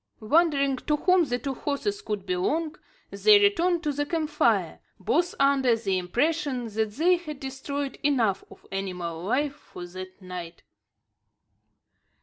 Wondering to whom the two horses could belong, they returned to the camp fire; both under the impression that they had destroyed enough of animal life for that night.